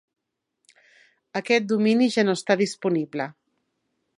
Aquest domini ja no està disponible.